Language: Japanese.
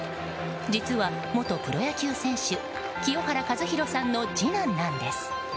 実は元プロ野球選手清原和博さんの次男なんです。